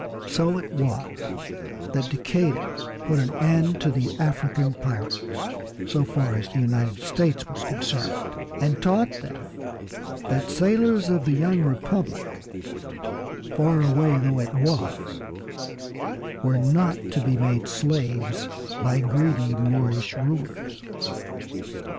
So it was that Decatur put an end to the African pirates, so far as the United States was concerned, and taught them that sailors of the young Republic, far away though it was, were not to be made slaves by greedy Moorish rulers.